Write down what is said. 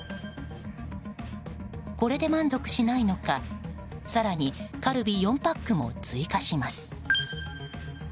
これで満足しないのか更にカルビ４パックも追加します。